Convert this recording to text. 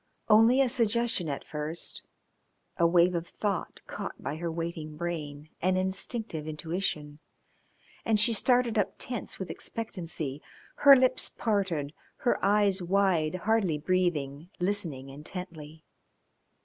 Only a suggestion at first a wave of thought caught by her waiting brain, an instinctive intuition, and she started up tense with expectancy, her lips parted, her eyes wide, hardly breathing, listening intently.